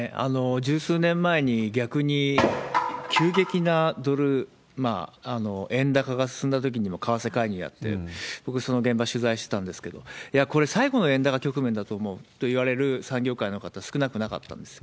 十数年前に、逆に急激な円高が進んだときにも為替介入やって、僕、その現場取材してたんですけど、いや、これ、最後の円高局面だと思うと言われる産業界の方、少なくなかったです。